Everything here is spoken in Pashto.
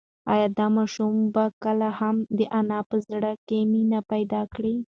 ایا دا ماشوم به کله هم د انا په زړه کې مینه پیدا کړي؟